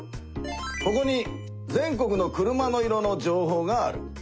ここに全国の車の色の情報がある。